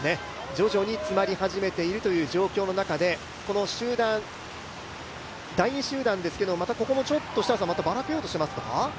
徐々に詰まり始めているという状況の中で、この集団、第２集団ですけどまたばらけようとしていますか？